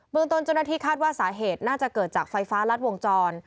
ตนเจ้าหน้าที่คาดว่าสาเหตุน่าจะเกิดจากไฟฟ้ารัดวงจร